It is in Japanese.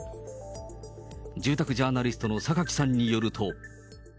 住宅ジャーナリストの榊さんによると。